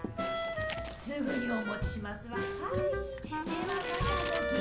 すぐにお持ちしますわはい。